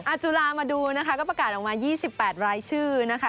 จุลามาดูนะคะก็ประกาศออกมา๒๘รายชื่อนะคะ